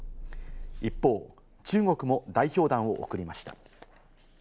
一方、中国も代表団を送りました。